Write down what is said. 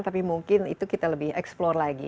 tapi mungkin itu kita lebih eksplore lagi